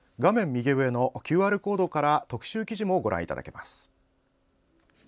右上のＱＲコードから特集記事もご覧いただけます。